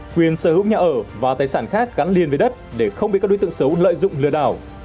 quyền sở hữu nhà ở và tài sản khác gắn liền với đất để không bị các đối tượng xấu lợi dụng lừa đảo